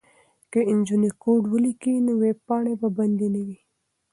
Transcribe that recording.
که نجونې کوډ ولیکي نو ویبپاڼې به بندې نه وي.